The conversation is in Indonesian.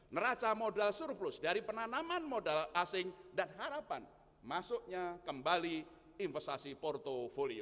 neraca modal surplus dari penanaman modal asing dan harapan masuknya kembali investasi portfolio